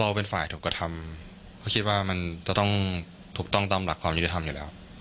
เป็นฝ่ายถูกกระทำเขาคิดว่ามันจะต้องถูกต้องตามหลักความยุติธรรมอยู่แล้ว